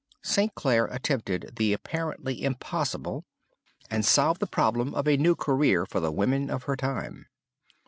St. Clare attempted the apparently impossible and solved the problem of a new career for the women of her time.